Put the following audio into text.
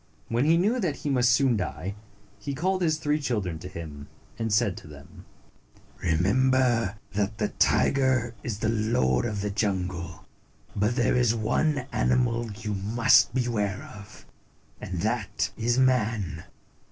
When he knew that he must soon die, he called his three children to him, and said to them, " Remember that the tiger is the lord of the jungle, but there is one animal you must beware of, and that is man.